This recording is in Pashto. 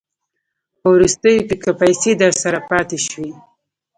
په وروستیو کې که پیسې درسره پاته شوې